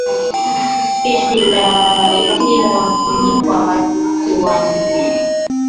Pishi la kilo ni kwa watu nne